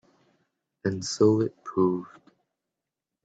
And so it proved.